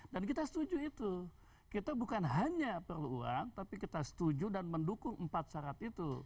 dan kita setuju itu kita bukan hanya perlu uang tapi kita setuju dan mendukung empat syarat itu